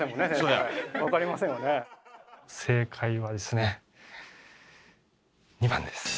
正解はですね２番です。